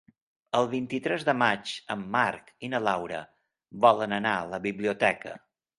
El vint-i-tres de maig en Marc i na Laura volen anar a la biblioteca.